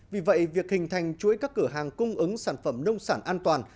vì vậy việc hình thành chuỗi các cửa hàng cung ứng sản phẩm nông sản an toàn